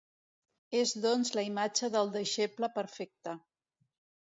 És doncs la imatge del deixeble perfecte.